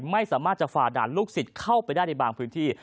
ไม่สามารถจะฝ่าด่านลูกศิษย์เข้าไปได้ในบางพื้นที่